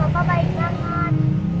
bapak baik banget